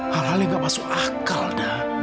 hal hal yang nggak masuk akal dar